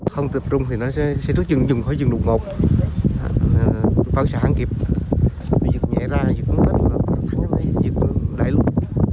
không tập trung thì nó sẽ rút dừng dùng khỏi dừng đụng ngột phá sản kịp dựng nhẹ ra dựng hết dựng lại luôn